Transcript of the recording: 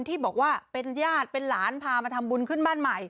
ที่บอกว่าเป็นญาติเป็นหลานพามาทำบุญขึ้นบ้านใหม่